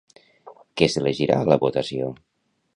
Què s'elegirà a la votació?